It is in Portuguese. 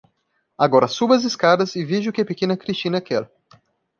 Agora suba as escadas e veja o que a pequena Christina quer.